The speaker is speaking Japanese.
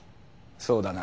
そうだな。